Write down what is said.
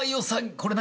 これ何？